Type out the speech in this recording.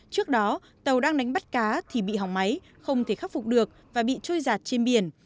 trước đó tàu đang đánh bắt cá thì bị hỏng máy không thể khắc phục được và bị trôi giạt trên biển